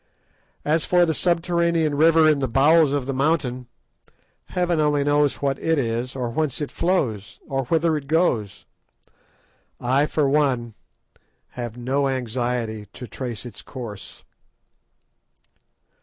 As for the subterranean river in the bowels of the mountain, Heaven only knows what it is, or whence it flows, or whither it goes. I, for one, have no anxiety to trace its course.